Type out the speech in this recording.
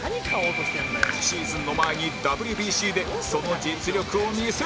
シーズンの前に ＷＢＣ でその実力を見せ付けろ！